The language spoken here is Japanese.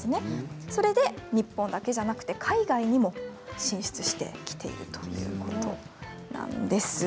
それで日本だけじゃなくて海外にも進出してきているということです。